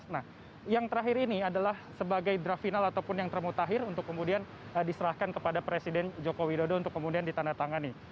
nah yang terakhir ini adalah sebagai draft final ataupun yang termutahir untuk kemudian diserahkan kepada presiden joko widodo untuk kemudian ditandatangani